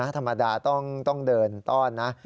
ธรรมดาต้องเดินต้อนนะ